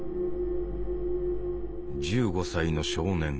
１５歳の少年。